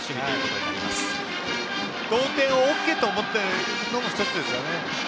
同点はＯＫと思っていくのも１つですね。